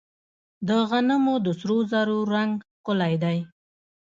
د غنمو د سرو زرو رنګ ښکلی دی.